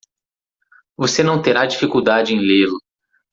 Você não terá dificuldade em lê-lo.